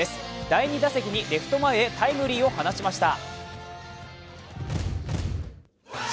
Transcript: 第２打席にレフト前へタイムリーを放ちました。